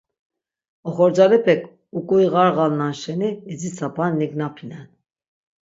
Oxorcalepek uǩuiğarğalnan şeni idzitsapan nignapinen.